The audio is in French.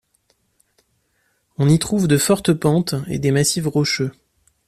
On y trouve de fortes pentes et des massifs rocheux.